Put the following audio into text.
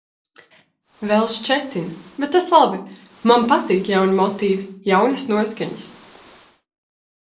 Vēl šķetinu. Bet tas labi. Man patīk jauni motīvi, jaunas noskaņas.